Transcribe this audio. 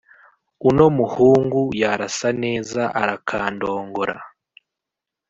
uno muhungu yarasa neza arakandongora.